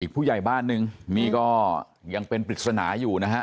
ผู้ใหญ่บ้านนึงนี่ก็ยังเป็นปริศนาอยู่นะฮะ